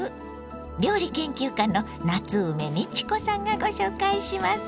料理研究家の夏梅美智子さんがご紹介します。